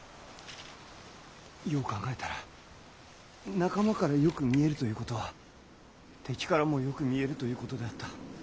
よう考えたら仲間からよく見えるということは敵からもよく見えるということであった。